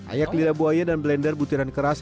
ayak lira buaya dan blender butiran keras